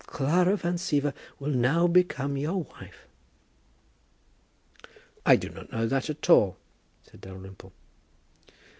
Clara Van Siever will now become your wife." "I do not know that at all," said Dalrymple.